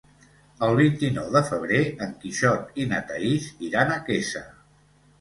El vint-i-nou de febrer en Quixot i na Thaís iran a Quesa.